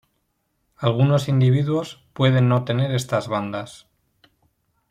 Algunos individuos pueden no tener estas bandas.